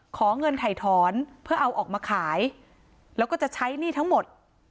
ขอเงินถ่ายถอนเพื่อเอาออกมาขายแล้วก็จะใช้หนี้ทั้งหมด